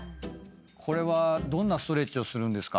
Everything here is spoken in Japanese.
これはどんなストレッチをするんですか？